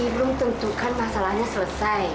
belum tentukan masalahnya selesai